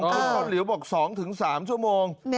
คุณคนเหลวบอก๒๓ชั่วโมง